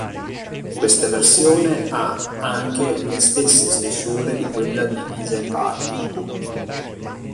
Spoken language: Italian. Questa versione ha anche le stesse censure di quella divisa in parti.